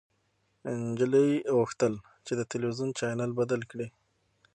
نجلۍ غوښتل چې د تلويزيون چاینل بدل کړي.